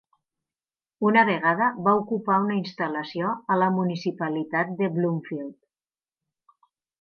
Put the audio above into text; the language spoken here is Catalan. Una vegada va ocupar una instal·lació a la municipalitat de Bloomfield.